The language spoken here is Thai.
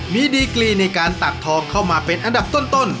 มีดีกรีในการตักทองเข้ามาเป็นอันดับต้น